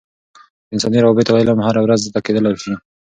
د انساني روابطو علم هره ورځ زده کیدلای سي.